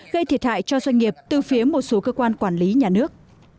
gây thiệt hại cho doanh nghiệp từ phía một số cơ quan quản lý nhà nước